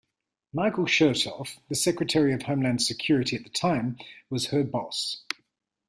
Michael Chertoff, the Secretary of Homeland Security at the time, was her boss.